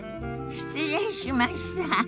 失礼しました。